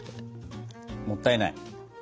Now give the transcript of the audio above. もったいない。